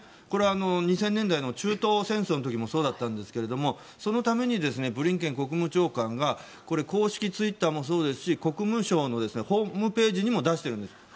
これは２０００年代の中東戦争の時もそうだったんですがそのためにブリンケン国務長官が公式ツイッターもそうですし国務省のホームページにも出してるんです。